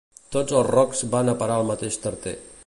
Tots els rocs van a parar al mateix tarter.